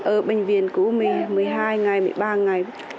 ở bệnh viện cũ một mươi hai ngày một mươi ba ngày